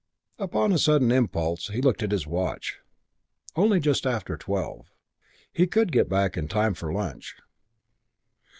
Upon a sudden impulse he looked at his watch. Only just after twelve. He could get back in time for lunch.